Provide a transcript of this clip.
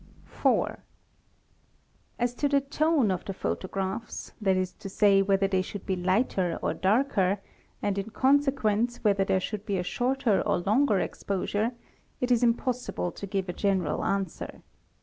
| a 4. As to the tone of the photographs, that is to say whether they should be lighter or darker, and in consequence whether there should be 1 shorter or longer exposure, it is impossible to give a general answer.